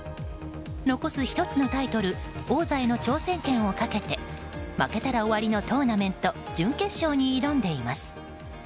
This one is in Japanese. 残す１つのタイトル王座への挑戦権をかけて負けたら終わりのトーナメント準決勝に挑んでいます。